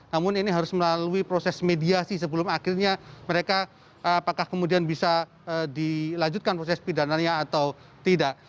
namun ini harus melalui proses mediasi sebelum akhirnya mereka apakah kemudian bisa dilanjutkan proses pidananya atau tidak